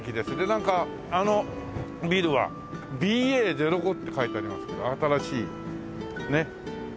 なんかあのビルは「ｂａ０５」って書いてありますけど新しいねっ。